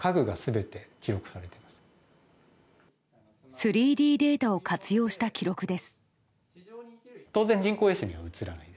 ３Ｄデータを活用した記録です。